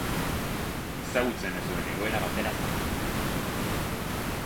Ezagutzen ez duen egoera batera sartzen da.